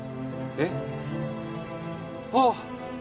えっあっ！